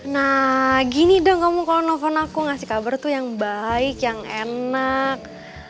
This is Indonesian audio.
nah gini dong kamu kalau nelfon aku ngasih kabar tuh yang baik yang enak